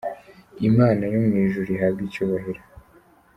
Imana yo mu ijuru ihabwe icyubahiro.